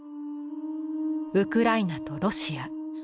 ウクライナとロシア。